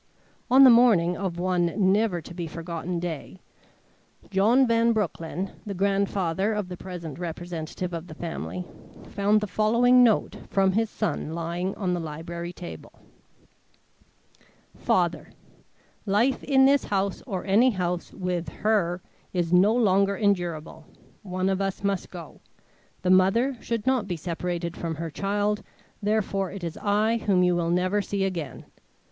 On the morning of one never to be forgotten day, John Van Broecklyn, the grandfather of the present representative of the family, found the following note from his son lying on the library table: "FATHER: "Life in this house, or any house, with her is no longer endurable. One of us must go. The mother should not be separated from her child. Therefore it is I whom you will never see again.